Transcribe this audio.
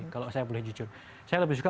kalau saya boleh jujur saya lebih suka